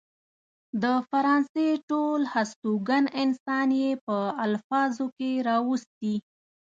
د فرانسې ټول هستوګن انسان يې په الفاظو کې راوستي.